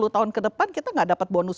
dua puluh tahun ke depan kita tidak dapat bonus